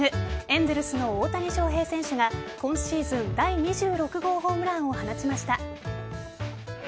エンゼルスの大谷翔平選手が今シーズン第２６号ホームランを放ちました。